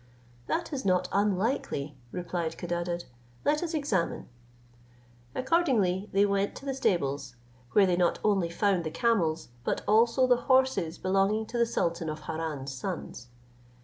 "This is not unlikely," replied Codadad; "let us examine." Accordingly they went to the stables, where they not only found the camels, but also the horses belonging to the sultan of Harran's sons.